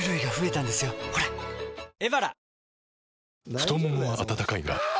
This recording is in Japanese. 太ももは温かいがあ！